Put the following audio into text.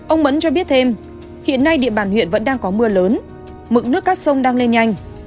ông mẫn cho biết thêm hiện nay địa bàn huyện vẫn đang có mưa lớn mực nước các sông đang lên nhanh